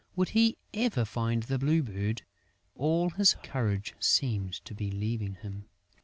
Would he ever find the Blue Bird? All his courage seemed to be leaving him....